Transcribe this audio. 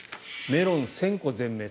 メロン１０００個全滅。